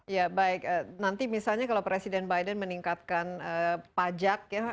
ya baik nanti misalnya kalau presiden biden meningkatkan pajak ya